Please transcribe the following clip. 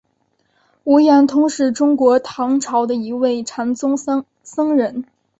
无言通是中国唐朝的一位禅宗僧人。